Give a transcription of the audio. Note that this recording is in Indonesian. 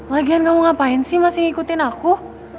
lagian kamu ngapain sih masih ngikutin aku